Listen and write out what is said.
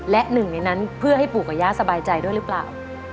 และหนึ่งในนั้นเพื่อให้ปู่กับย่าสบายใจด้วยหรือเปล่า